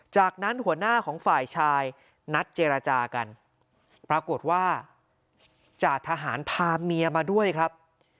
จากนั้นหัวหน้าของฝ่ายชายนัดเจรจากันปรากฏว่าจ่าทหารพาเมียมาด้วยครับ